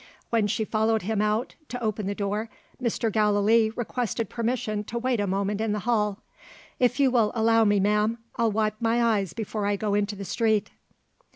When she followed him out, to open the door, Mr. Gallilee requested permission to wait a moment in the hall. "If you will allow me, ma'am, I'll wipe my eyes before I go into the street."